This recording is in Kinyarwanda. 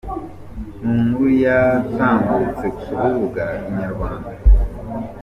Mu nkuru yatambutse ku rubuga Inyarwanda.